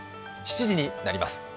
７時になります。